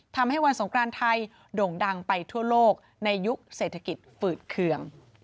ทำให้วันสงครานไทยโด่งดังไปทั่วโลกในยุคเศรษฐกิจฝืดเคือง